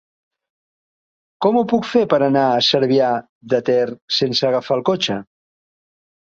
Com ho puc fer per anar a Cervià de Ter sense agafar el cotxe?